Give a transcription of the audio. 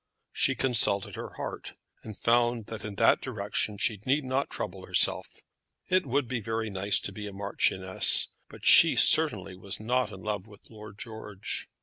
She consulted her heart, and found that in that direction she need not trouble herself. It would be very nice to be a marchioness, but she certainly was not in love with Lord George.